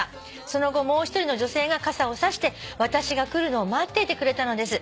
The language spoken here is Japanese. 「その後もう１人の女性が傘を差して私が来るのを待っていてくれたのです」